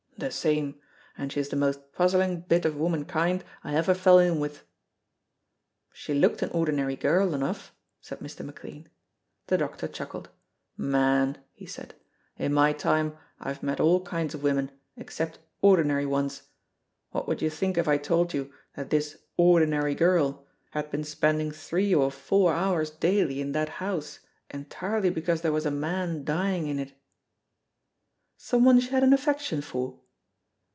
"The same, and she is the most puzzling bit of womankind I ever fell in with." "She looked an ordinary girl enough," said Mr. McLean. The doctor chuckled. "Man," he said, "in my time I have met all kinds of women except ordinary ones. What would you think if I told you that this ordinary girl had been spending three or four hours daily in that house entirely because there was a man dying in it?" "Some one she had an affection for?"